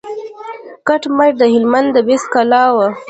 کټ مټ د هلمند د بست کلا وه.